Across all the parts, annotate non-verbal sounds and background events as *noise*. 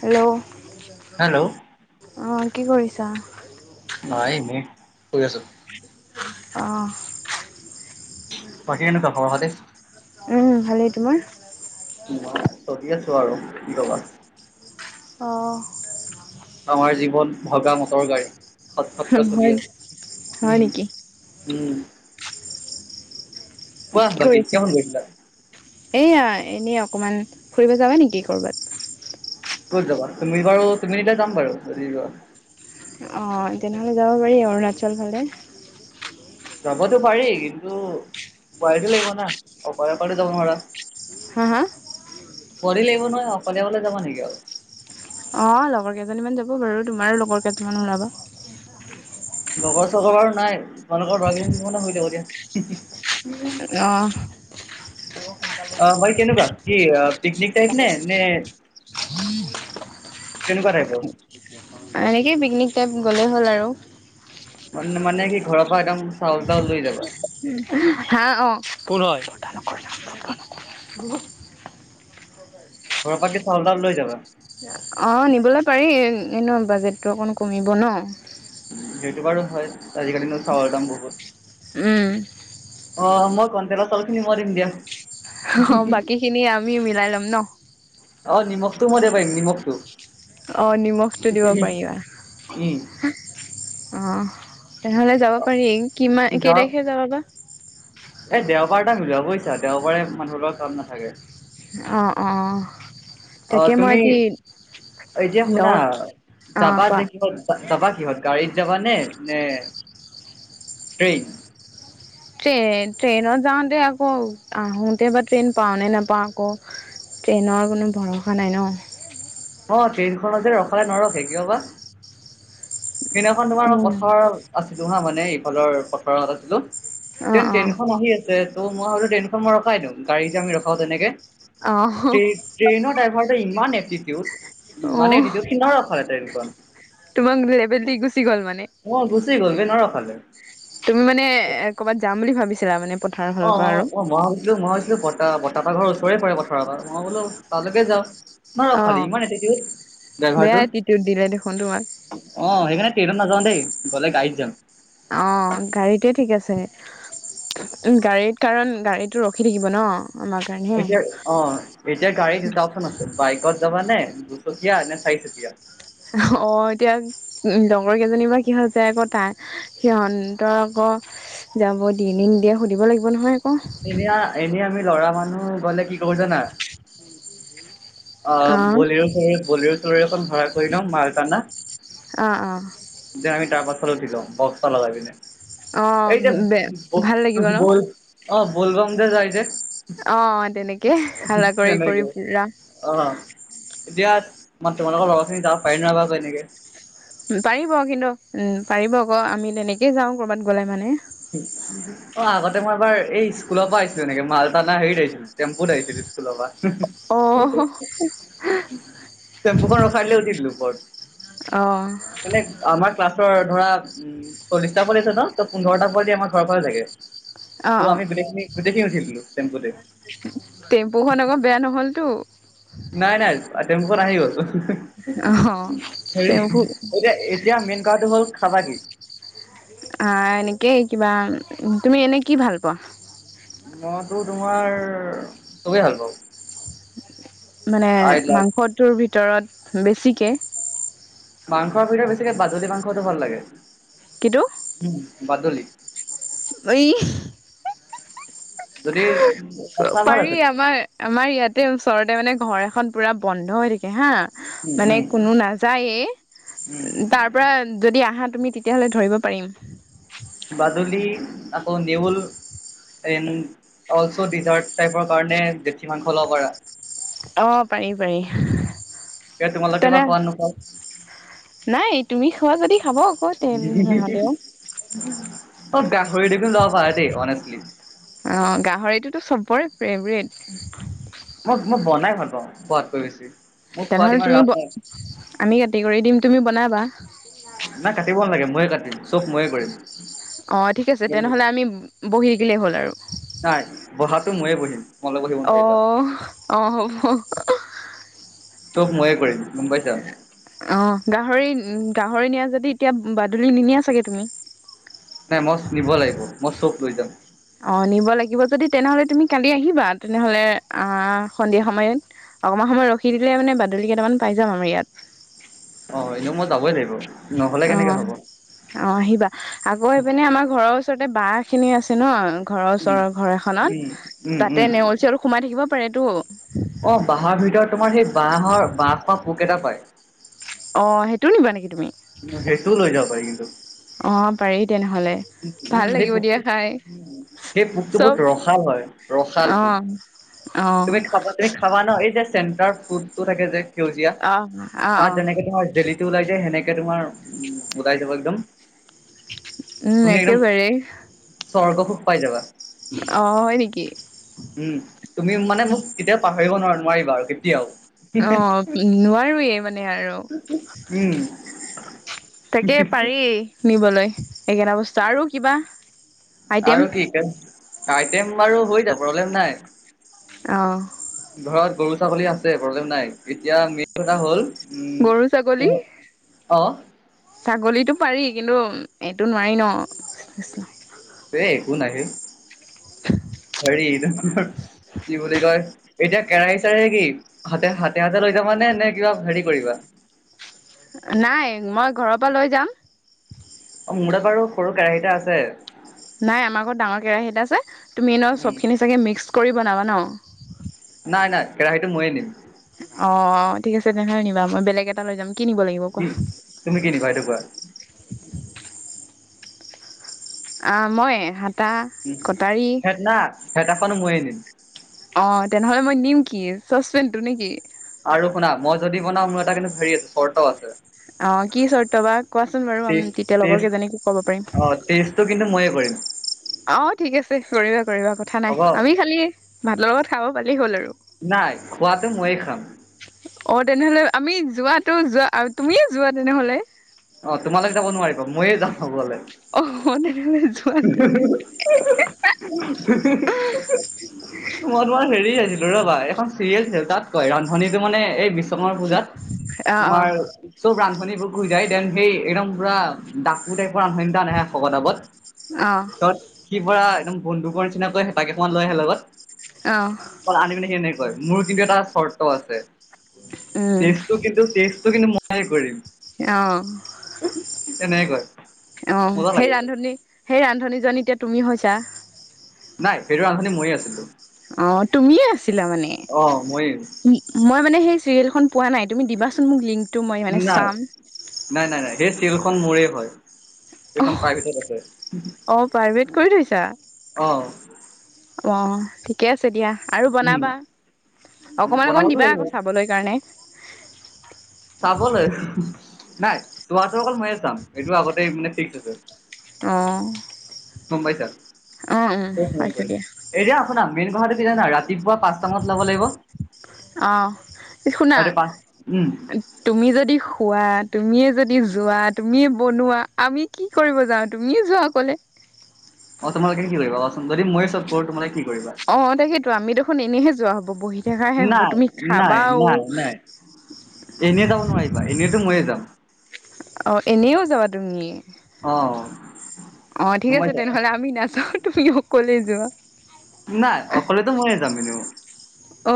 Hello. Hello অ'। কি কৰিছা? নাই এনেই, শুই আছো। অ'। বাকী কেনেকুৱা খবৰ খাতি? উম ভালেই, তোমাৰ? মই চলি আছো আৰু, কি ক'বা। অ'। আমাৰ জীৱন ভগা মটৰ গাড়ী খট খটকৈ চলি হয় আছে হয় উম নেকি উম। কোৱা কি বাকী কৰি কিমান আছিলা? গৈছিলা? এইয়া এনেই অকমান ফুৰিব যাবা নেকি ক'ৰবাত। ক'ত যাবা তুমি বাৰু তুমি নিলে যাম বাৰু যদি যোৱা। অ', তেনেহ'লে যাব পাৰি অৰুণাচল ফালে। যাবতো পাৰি কিন্তু উপায়টো লাগিব না অকলে অকলে যাব নোৱাৰা। হা হা। পৰি লাগিব হয় আৰু কলিয়াবৰলে যাবা নিকি আৰু। হ'ব বাৰু, তোমাৰো লগৰ কেইটামান ওলাবা। লগৰ চগৰ বাৰু নাই, তোমালোকৰ ল'ৰা কেইজনী থাকিব নহয়, হৈ যাব দিয়া। অহ'। অহ' মই কেনেকুৱা কি অহ, পিকনিক টাইপ নে? নে কেনেকুৱা টাইপৰ? এনেকেই পিকনিক টাইপ, গ'লেই হ'ল আৰু। মানে- মানে কি ঘৰৰ পৰা একদম চাউল-তাউল লৈ যাবা? হা অ' পুৰ হয় *unintelligible* ঘৰৰ পৰা কি চাউল - তাউল লৈ যাবা? অ' নিবলে পাৰি। এনেও বাজেটটো অকণ কমিব ন'। সেইটো বাৰু হয়। আজিকালিনো চাউলৰ দাম বহুত। উম। অ' মই কন্টেলৰ চাউলখিনি মই দিম দিয়া। অ' বাকীখিনি আমি মিলাই লম ন'। অ' নিমখটো মই দিব পাৰিম, নিমখটো। অ' নিমখটো দিব পাৰিবা, উম অ'। তেনেহ'লে যাব পাৰিং, কিমা কেই তাৰিখে যাবা বা? এ দেওবাৰটা মিলোৱা বুজিছা, দেওবাৰে মানুহ লগত কাম নাথাকে। অ' অ' অ তাকে মই তুমি আজি, এতিয়া শুনা, লগ অ যাবা কোৱা যে কিহত যাবা কিহত? গাড়ীত যাবা নে? নে ট্ৰেইন। ট্ৰেইন ট্ৰেইনত যাওঁতে আকৌ, আহোঁতে বা ট্ৰেইন পাওঁ নে নেপাওঁ আকৌ। ট্ৰেইনৰ কোনো ভৰসা নাই ন। অ', ট্ৰেইনখনযে ৰখালে নৰখে, কিয় বা? সেইদিনাখন তোমাৰ, উম পথাৰত আছিলো হা, মানে ইফালৰ পথাৰত আছিলো। অ তেন অ ট্ৰেইনখন আহি আছে ত' মই ভাবিলো টেইনখন মই ৰখাই দিও। গাড়ী যে আমি ৰখাও তেনেকে। অ ট্ৰে ট্ৰেইনৰ ড্ৰাইভাৰটো ইমান এটিটিউড। অ ইম্মানে এটিটিউড সি নৰখালে ট্ৰেইনখন। তোমাক লেভেল দি গুচি গ'ল মানে? গুছি গ'ল বে নৰখালে। তুমি মানেএ ক'বাত যাম বুলি ভাবিছিলা মানে? পথাৰৰ অ, ফালৰ পৰা অ, আৰু অ, মই ভাবিছিলো মই ভাবিছিলো প বত্তাহঁতৰ ঘৰ ওচৰতে পৰে পথাৰৰ পৰা। মই বোলো তালৈকে যাওঁ। ন অ ৰখালে, ইমান এটটিউড বেয়া ড্ৰাইভাৰটোৰ। এটিটিউড দিলে দেখোন তোমাক অ সেইকাৰণে ট্ৰেইন নাযাওঁ দেই, গ'লে গাড়ীত যাম। অ', গাড়ীতেে ঠিক আছে। উ গাড়ীত কাৰণ, গাড়ীটো ৰখি থাকিব ন। আমাৰ কাৰণেহে এতিয়া অ, এতিয়া গাড়ী দুটা অপচন আছে, বাইকত যাবা নে চকিয়া নে, চাৰি চকিয়া। অ, এতিয়া লগৰ কেইজনী বা কি হৈছে আক', তাই সিহঁনতৰ আকৌ, অ, যাব দিয়েনে নিদিয়ে সুধিব লাগিব নহয়। আকৌ এনেয়া এনে আমি ল'ৰা মানুহ গ'লে কি ক'ব জানা? অ, বলিঅ' চলেঅ' বলোঅ' চলেঅ' এখন ভৰা কৰি দিও, মাল তানা। অ অ দে আমি তাপাছত উঠি লও, বক্সতা লগাই পিনে। অ এই যে বে ভাল লাগিব ব'ব্ ন ব'ল অ ব'লব'মযে যায় যে। অ' তেনেকে, হালা কৰি কৰি তেনেকে পুৰা। অ', এতিয়া মানে তোমালোকৰ লগৰ খিনি যাব পাৰেনোৱাৰেবা তেনেকে? পাৰিব কিন্তু, উম, পাৰিব আকৌ, আমি তেনেকেই যাঁও ক'ৰবাত গ'লে মানে। অ', আগতে মই এবাৰ এই স্কুলৰ পৰা আহিছিলো, এনেকে মালতানা হেৰিত আহিছিলো, টেম্পুত আহিছিলো। স্কুলৰ পা। অ টেম্পুখন ৰখাই দিলে উঠি দিলোঁ উপৰত। অ মানে আমাৰ ক্লাছৰ ধৰা উম', চল্লিশটা পল আছে ন' ত পোন্ধৰটা পোৱদি আমাৰ ঘৰৰ পৰা যাগে। অ ত' অ আমি গোটেইখিনি-গোটেইখিনি উঠি দিলোঁ টেম্পুতে। টেম্পুখন আকৌ বেয়া নহ'লতো নাই, নাই টেম্পু খন আহি গ'ল। অ হেৰি টেম্পু এতিয়া-এতিয়া মেইন কথাটো হ'ল খাবা কি? এনেকেই কিবা, তুমি এনেই কি ভাল পোৱা? মইটো তোমাৰ চবেই ভাল পাও। মানে, মাংসটোৰ ভিতৰত বেছিকে? মাংসৰ ভিতৰত বেছিকে, বাদুলী মাংসটো ভাল লাগে। কিন্তু উম', বাদুলী। এই তনে পাৰি আমাৰ-আমাৰ ইয়াতে ওচৰতে মানে, ঘৰ এখন পুৰা বন্ধ হৈ থাকে উম, হা- মানে উম, কোনো নাযায়ে, উম, তাৰ পৰা যদি আহা তুমি তেতিয়াহ'লে ধৰিব পাৰিম। বাদুলি আকৌ, নেউল এ অলছ ডিজাৰ্ট টাইপৰ কাৰণে জেঠী মাংস ল'ব পাৰ। অ', পাৰি, পাৰি। এ তোমালোকে বা তেনে, খোৱা নোখোৱা? নাই তুমি খোৱা যদি খাব আকৌ, তে সিহঁতেও। অ', গাহৰি দেখোন ল'ব পাৰা দেই অনেষ্টলি। অ', গাহৰিটোতো সবৰে ফেভৰেট। মই মই বনাই ভাল পাওঁ, খোৱাতকৈ বেছি। মোক খোৱাত তেনেহ'লে ইমান তুমি, ৰাপ নাই আমি কাতি-কৰি দিম তুমি বনাবা। নাই কাটিব নালাগে। ময়ে কাটিম, চব ময়ে কৰিম। অ' ঠিক আছে, তেনেহ'লে আমি বহি থাকিলেই হ'ল আৰু। নাই বহাটো ময়ে বহিম। তোমালোক বহিব নোৱাৰিবা। আহ', আহ'। তোক ময়ে কৰিম। গম পাইছা অ' গাহৰি উ গাহৰি নিয়া যদি এতিয়া, বাদুলি নিনিয়া চাগে তুমি? নাই মই নিব লাগিব। মই চখ লৈ যাম। অ' নিব লাগিব যদি, তেনেহলে তুমি কালি আহিবা তেনেহলে অ', সন্ধিয়া সময়ত অকণমান সময় ৰখি দিলে মানে, বাদুলি কেইটামান পাই যাম আমি ইয়াত। অ', এনে মই যাবই লাগম অ', অ', আহিবা। আকৌ আহি পিনে আমাৰ ঘৰৰ ওচৰতে বহ খিনি আছে ন' উম। ঘৰৰওৰৰ ঘৰ উম এখনত উম উম তাতে নেওলছি- আৰু সোমাই থাকিব পাৰেতো। অ', বাঁহৰ ভিতৰত তোমাৰ সেই, বহৰ বাঁহ বা পোক এটা পায়। অ', সেইটো নিবা নেকি? তুমি? সেইটোও লৈ যাব পাৰি কিন্তু। অ', পাৰি তেনেহলে। ভাল উম', সেই লাগিব পোকটো দিয়া খাই উ সেই পোকটো বহুত চব ৰসাল হয়। ৰসাল পো অ', অ', তুমি খাবা, তুমি খাবা ন' এই যে, চেণ্টাৰ ফুডটো থাকে যে সেউজীয়া, অ', অ', তাত অ'। যেনেকে তোমাৰ দেলহিিতটো ওলাই যায় সেনেকে তোমাৰ উ ওলাই যাব একদম। উম', তুমি একদম একেবাৰে। স্বৰ্গ খুব পাইবা। অ, হয় নেকি? উম', তুমি মানে মোক কেতিয়াও পাহৰিব ন নোৱাৰিবা আৰু। এতিয়াও। অ নোৱাৰোৱেই মানে আৰু, উম তাকে পাৰি নিবলৈ এইকেটা বস্তু আৰু কিবা। আইটেম আৰু কি কেম আইটেম বাৰু হৈ যাব প্ৰব্লেম নাই। অহ। ঘৰত গৰু ছাগলী আছে প্ৰব্লেম নাই, এতিয়া মেইন কথা হ'ল। গৰু-ছাগলী। অহ। ছাগলীটো পাৰি কিন্তু এইটো নোৱাৰি ন। এ একো নাইহে। *inaudible* *unintelligible* কি বুলি কয়, এতিয়া কেৰাহী চাৰে কি হাতে হাতে হাতে লৈ যাবা নে নে কিবা হেৰি কৰিবা। নাই মই ঘৰৰ পৰা লৈ যাম। অ' মোৰ তাত বাৰু সৰু কেৰাহি এটা আছে। নাই আমাৰ ঘৰত ডাঙৰ কেৰাহী এটা আছে, তুমি ন উম চবখিনি চাগে মিক্স কৰি বনাবা ন। নাই, নাই কেৰাহীটো ময়ে নিম। অ ঠিক আছে তেনেহয় নিবা। মই বেলেগ এটা লৈ যাম। কি নিব লাগিব কোৱা? কি তুমি কি নিবা সেইটো কোৱা অ' মই। হাতা উম, কটাৰী হেইয়াত না হেতা খন ও মই এ নিম। অ তেনেহ'লে মই নিম কি চচপেন টো নেকি? আৰু শুনা, মই যদি বনাওঁ মোৰ এটা কিন্তু হেৰি আছে, চৰ্ত আছে। অ' কি চৰ্ত বা? কোৱাচোন বাৰু। আম টেষ্ট তেতিয়া লগৰ টেষ্ট কেইজনীকো কব পাৰিম। অ টেষ্টটো কিন্তু ময়ে কৰিম অ' ঠিক আছে। কৰিবা - কৰিবা, কথা হ'ব নাই। আমি খালি ভাতৰ লগত খাব পালি হ'ল আৰু। নাই খোৱাটো মই খাম। অ' তেনেহলে আমি যোৱাটো যোৱা- অ'- তুমিয়ে যোৱা তেনেহ'লে। অ তোমালোক যাব নোৱাৰিব ময়ে যাওঁ খাবলে। অ' তেনেহলে যোৱা তুমি। মই তোমাৰ হেৰি চাইছিলোঁ ৰবা। এখন চিৰিয়েল আছিল, তাত কয় ৰান্ধনীটো মানে এই বিছ কৰ্মা পূজাত অ অ তোমাৰ চব ৰান্ধনীবোৰ যায় দেন সেই একদম পুৰা ডাকু টাইপৰ ৰান্ধনী এটা আহে শকত আৱত অ ত কি পৰা একদম বন্ধুকৰ নিচিনাকৈ হেতা কেইখনমান লৈ আহে লগত। অ কল আনিকেনে সেনেকে কয়, মোৰ কিন্তু এটা চৰ্ত আছে। উম টেষ্টটো কিন্তু- টেষ্টটো কিন্তু ময়ে কৰিম। অ'। তেনেকে কয় অ' মজা সেই লাগে ৰান্ধনী সেই ৰান্ধনীজন এতিয়া তুমি হৈছা। নাই, সেইটো ৰান্ধনী মইয়ে আছিলোঁ। অ তুমিয়ে আছিলা মানে মইয়ে ম মই মানে সেই চিৰিয়েলখন পোৱা নাই তুমি দিবাচোন মোক লিংক নাই, নাই - নাই - নাই। সেই ছিৰিয়েলখন মোৰেই হয়। এইখন অ প্ৰাইভেটত আছে। পাৰ্ভেট কৰি থৈছা অ'। অ'। ঠিকে আছে দিয়া, আৰু উম বনাবা। অকমান - অকমান বনাবতো দিবা লাগিব আকৌ চাবলৈ কাৰণে। চাবলৈ নাই চোৱাটো অকল ময়ে চাম এইটো আগতে মানে ফিক্স আছে। অ গম পাইছা? উম চব *unintelligible* পাইছো কৰিম। দিয়া এতিয়া শুনা মেইন কথাটো কি জানা ৰাতিপুৱা পাচটা মানত ওলাব লাগিব। অ'। শুনা, তাতে পাঁচ উম তুমি যদি খোৱাত তুমিয়ে যদি যোৱা, তুমিয়ে বনোৱা, আমি কি কৰিব যাওঁ? তুমিয়ে যোৱা অকলে। মই তোমাল কিা য মই চব কৰো, তোম কি কৰিবা অ', তাকেইেতো, আমি দেখোন এনেহে যোৱা হব, বহি থকাাহে হব। নাই তুমি নাই খাবাও নাই নাই এনেই যাব নোৱাৰিবা, এনেইতো মই যাম। অ' এনেইও যাবা তুমি অ অ', ঠিক গম আছে পাইছা তেনেহলে, আমি নাযাওঁ তুমি অকলে যোৱা। নাই অকলেতো মই যাম এনে। অ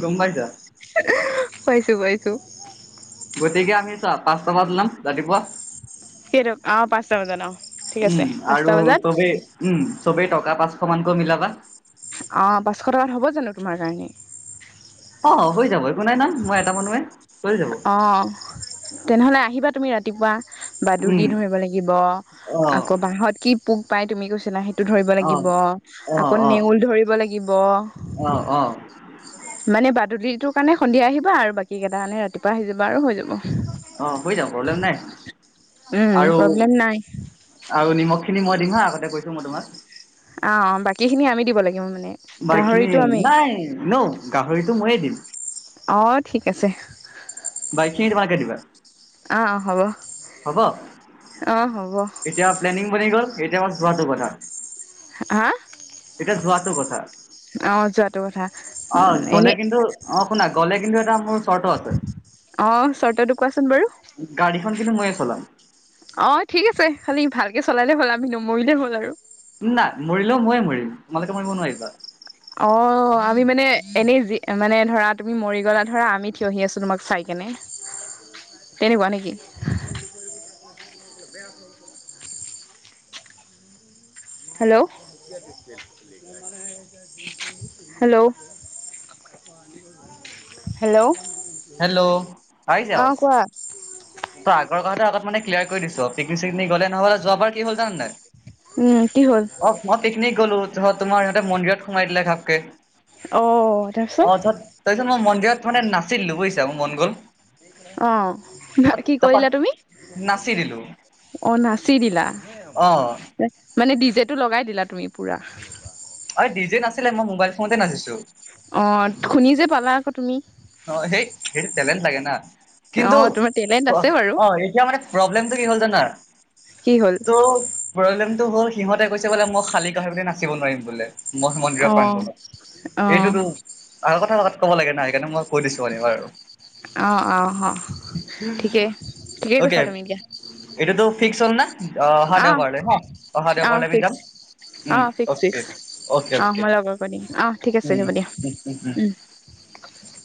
গম পাইছা? পাইছো, পাইছো। গতিকে, আমি চোৱা পাঁচটা মানত ওলাম, ৰাতিপুৱা কেইটকা অ পাঁচটা বজাত অ ঠিক আছে উম, আৰু পাঁচটা বজাত চবেই উম', চবেই টকা পাচ স মান ক মিলাবা। অ', পাঁচশ টকাত হ'ব জানো তোমাৰ কাৰণে? অ', হৈ যাব একো নাই, নাই মই এটা মানুহে। হৈ যাব। অ', তেনেহ'লে আহিবা তুমি ৰাতিপুৱা। উম, বাদুলি ধৰিব লাগিব, অ', আকৌ বাহত কি পোক পাই, তুমি কৈছিলা স টো ধৰিব অ', লাগিব, অ', আকৌ অ', নেউল ধৰিব লাগিব। অ', অ', মানে বাদুলিটোৰ কাৰণে সন্ধিয়া আহিবা, আৰু বাকী কেইটাৰ কাৰানে ৰাতিপুৱা আহি যাবা আৰু হৈ যাব। অ', হৈ যাব প্ৰব্লেম নাই উম আৰু প্ৰব্লেম নাই আৰু নিমখ খিনি মই দিম হা, আগতে কৈছো মই তোমাক। অ', অ' বাকীখিনি আমি দিব লাগিব মানে বাকখিনি গাহৰিটো আমি নাই, ন' গাহৰিটো ময়ে দিম। অ', ঠিক আছে। বাই খিনি ত মালে কে দিবা অ অ হ'ব হ'ব, অ হ'ব এতিয়া প্লেনিং গল, এতিয়া বাছ যোৱাটো কথা। হা'? এতিয়া যোৱাটো কথা। অ যোৱাটো কথা অ', গ'লে এনেই কিন্তু- অ' শুনা গ'লে কিন্তু এটা মোৰ চৰ্ত আছে। অ', চৰ্তটো কোৱাচোন বাৰু। গাড়ীখন কিন্তু ময়ে চলাম। অ', ঠিক আছে। খালি ভালকে চলালে হ'ল। আমি নমৰিলে হ'ল আৰু। নাই মৰিলেও ময়ে মৰিম। তোমালোকে মৰিব নোৱাৰিবা। অ', আমি মানে, এনেই যি মানে ধৰা, তুমি মৰি গলা ধৰা, আমি থিয়হি আছো তোমাক চাই কেনে। তেনেকুৱা নেকি? হেল্ল'। Hello hello. হেল্ল' আহি কোৱা *unintelligible* আগৰ কথা আগত ম কৰি দিছ পিকনিক-চিকনিক গলে নহ'লে, যোৱ বাৰ কি হল জানে নাই? উম', কি? হ'ল অ', মই পিকনিক গলো ত তোমাৰ। ইিহঁতে মন্দিৰত সোমাই দিলে ঘাপকে। অ', ত তাৰপিত মই মন্দিৰত মানে নাছিলো বুজিছা, মোৰ মন গ'ল। অ', ভ কি তাৰপা কৰিলা তুমি? নাচি দিলো অ', নাচি দিলা। অ মানে ডিজে লগাই দিলা তুমি পুৰা। অ', ডিজে নাছিলে। মই মোবাইল ফোনতে নাচিছো। অ', শুনি যে পালা আকৌ তুমি। অ', সেই সেইটো টেলেণ্ট লাগে না। অ কিন্তু তোমাৰ টেলেণ্ট অ', আছে বাৰু অ', এতিয়া মানে প্ৰব্লেমটো কি হল জানা কি হল? ত' প্ৰব্লেমটো হ'ল হিহঁতে কৈছে বোলে মই খালী *unintelligible* নাচিব নোৱাৰিম বোলে। মঠ অ মন্দিৰৰ প্ৰাংগণত, অ এইটোতো আৰু কথা তাত ক'ব লাগে নাই সেইটো মই কৈ দিছো মানে হয় আৰু অ অ অ ঠিকে ঠিকেই কৈছা অকে তুমি এতিয়া এইটোতো ফিক্স হ'ল না অ অহা দেওবাৰলৈ ন অহা অ দেওবাৰলৈ আমি ফিক্স যাম অ উম ফিক্সি অকে ফিক্স অকে অ অকে মই লগৰ কৈ দিম অ ঠিক আছে উম হব দিয়া উম উম উম উ *unintelligible*